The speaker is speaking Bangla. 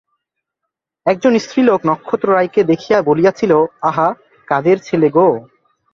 একজন স্ত্রীলোক নক্ষত্ররায়কে দেখিয়া বলিয়াছিল, আহা, কাদের ছেলে গো!